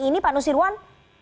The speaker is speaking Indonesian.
ini pak nusirwan